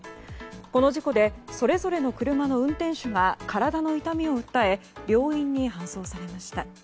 この事故でそれぞれの車の運転手が体の痛みを訴え病院に搬送されました。